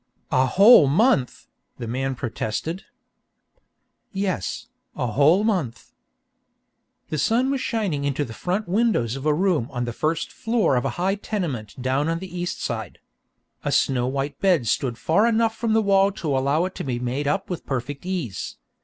"A whole month!" the man protested. "Yes, a whole month "The sun was shining into the front windows of a room on the first floor of a high tenement down on the east side. A snow white bed stood far enough from the wall to allow it to be made up with perfect ease.